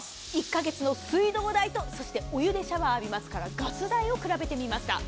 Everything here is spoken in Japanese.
１カ月の水道代と、そしてお湯でシャワーを浴びますからガス代を比べてみました。